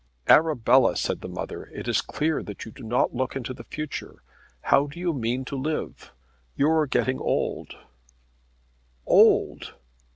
"Arabella," said the mother, "it is clear that you do not look into the future. How do you mean to live? You are getting old." "Old!"